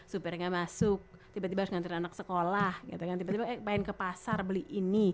supir gak masuk tiba tiba harus ngantri anak sekolah tiba tiba mau ke pasar beli ini